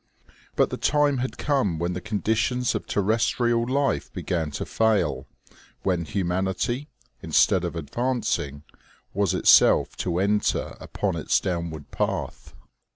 But the time had come when the conditions of terrestrial life began to fail ; when humanity, instead of advancing, was itself to enter upon its downward path.